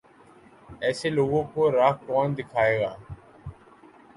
ایسے لوگوں کو راہ کون دکھائے گا؟